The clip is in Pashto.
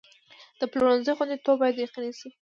د پلورنځي خوندیتوب باید یقیني شي.